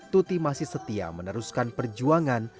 tuti masih setia meneruskan perjuangan